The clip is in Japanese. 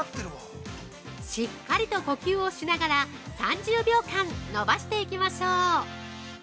◆しっかりと呼吸をしながら３０秒間、伸ばしていきましょう。